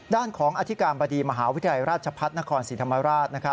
ด้านของอธิการบดีมหาวิทยาลัยราชพัฒนครศรีธรรมราช